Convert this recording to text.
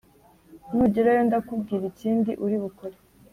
nugerayo ndakubwira ikindi uri bukore